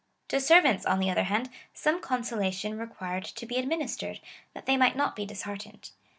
To servants, on the other hand, some consolation required to be administered, that they might not be disheartened.